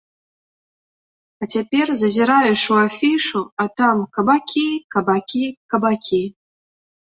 А цяпер зазіраеш у афішу, а там кабакі-кабакі-кабакі.